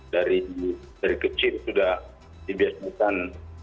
dari kecil sudah dibiasakan